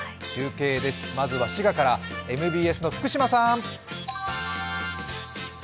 中継です、まずは滋賀からＭＢＳの福島さん。